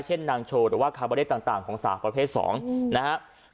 เช่นนางโชว์หรือว่าคาร์บอเรสต่างของสาวประเภท๒นะครับ